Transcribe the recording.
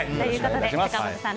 坂本さん